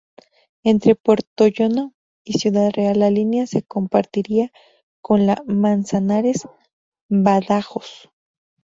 Entre Puertollano y Ciudad Real la línea se compartiría con la Manzanares-Badajoz.